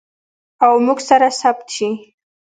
او موږ سره ثبت شي.